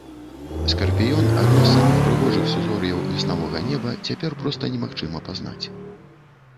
Скарпіён, адно з самых прыгожых сузор'яў веснавога неба, цяпер проста немагчыма пазнаць.